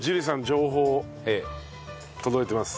情報届いてます。